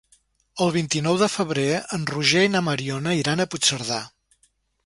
El vint-i-nou de febrer en Roger i na Mariona iran a Puigcerdà.